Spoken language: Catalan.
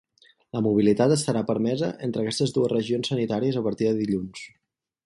La mobilitat estarà permesa entre aquestes dues regions sanitàries a partir de dilluns.